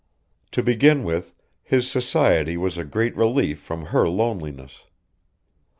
To begin with his society was a great relief from her loneliness.